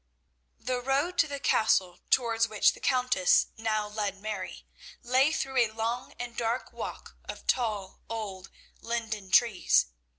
The road to the castle towards which the Countess now led Mary, lay through a long and dark walk of tall old linden trees.